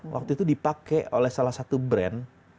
waktu itu dipakai oleh salah satu brand